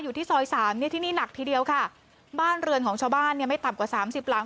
อยู่ที่ซอยสามเนี่ยที่นี่หนักทีเดียวค่ะบ้านเรือนของชาวบ้านเนี่ยไม่ต่ำกว่าสามสิบหลัง